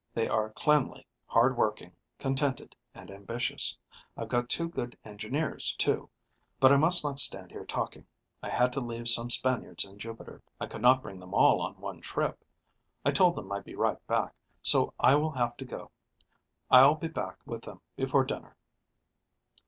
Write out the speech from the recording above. They are cleanly, hard working, contented and ambitious. I've got two good engineers, too. But I must not stand here talking. I had to leave some Spaniards in Jupiter. I could not bring them all on one trip. I told them I'd be right back, so I will have to go. I'll be back with them before dinner."